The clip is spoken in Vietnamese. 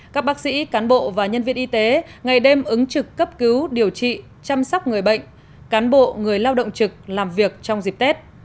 các bác sĩ cán bộ và nhân viên y tế ngày đêm ứng trực cấp cứu điều trị chăm sóc người bệnh cán bộ người lao động trực làm việc trong dịp tết